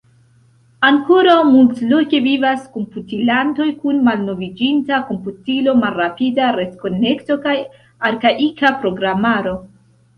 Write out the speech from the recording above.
Ankoraŭ multloke vivas komputilantoj kun malnoviĝinta komputilo, malrapida retkonekto kaj arkaika programaro.